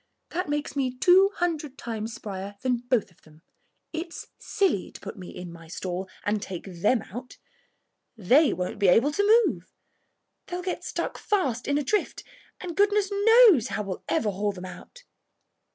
That makes me two hundred times sprier than both of them. It's silly to put me in my stall and take them out. They won't be able to move. They'll get stuck fast in a drift, and goodness knows how we'll ever haul them out."